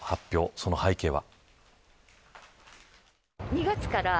その背景は。